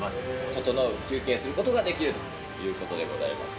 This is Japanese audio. ととのう、休憩することができるということでございます。